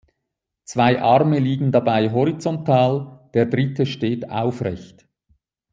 Zwei Arme liegen dabei horizontal, der dritte steht aufrecht.